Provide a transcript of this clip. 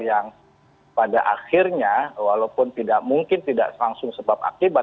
yang pada akhirnya walaupun tidak mungkin tidak langsung sebab akibat